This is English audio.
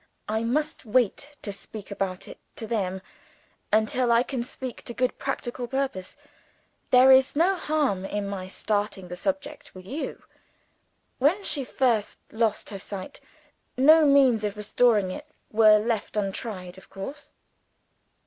I must wait to speak about it to them, until I can speak to good practical purpose. There is no harm in my starting the subject with you. When she first lost her sight, no means of restoring it were left untried, of course?"